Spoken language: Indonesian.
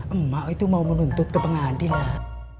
emak itu mau menuntut ke pengadilan